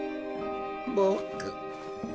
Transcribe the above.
僕。